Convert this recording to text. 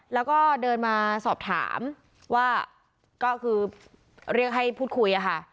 แล้วก็เดินมาสอบถามว่าก็คือเรียกให้พูดคุยอะค่ะ